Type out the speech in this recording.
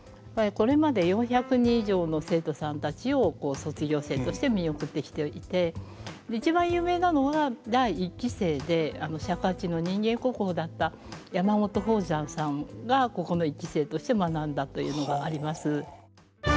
これまで４００人以上の生徒さんたちを卒業生として見送ってきていて一番有名なのは第１期生で尺八の人間国宝だった山本邦山さんがここの１期生として学んだというのがあります。